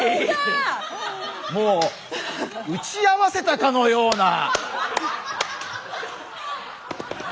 もう打ち合わせたかのような。